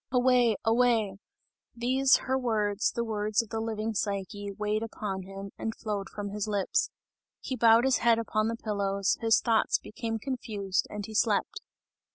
"Away! Away!" These, her words, the words of the living Psyche, weighed upon him, and flowed from his lips. He bowed his head upon the pillows, his thoughts became confused and he slept.